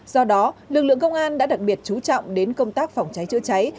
do đó lực lượng công an đã đặc biệt chú trọng đến công tác phòng cháy chữa cháy